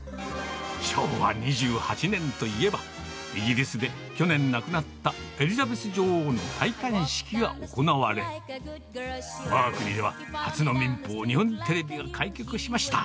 昭和２８年といえば、イギリスで去年亡くなったエリザベス女王の戴冠式が行われ、わが国では初の民放、日本テレビが開局しました。